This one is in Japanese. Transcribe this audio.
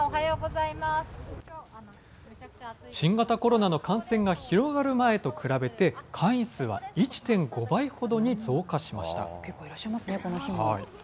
新型コロナの感染が広がる前と比べて、会員数は１．５倍ほど結構いらっしゃいますね、この日も。